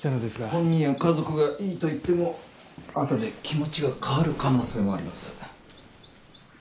本人や家族がいいと言っても後で気持ちが変わる可能性もあります。